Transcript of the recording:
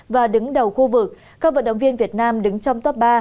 và đứng đầu khu vực các vận động viên việt nam đứng trong top ba